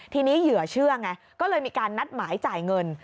ทีนี้เหยื่อเชื่อไงก็เลยมีการนัดหมายจ่ายเงิน